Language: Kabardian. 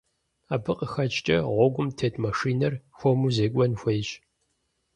Абы къыхэкӀкӀэ, гъуэгум тет машинэр хуэму зекӀуэн хуейщ.